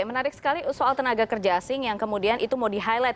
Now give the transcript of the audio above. menarik sekali soal tenaga kerja asing yang kemudian itu mau di highlight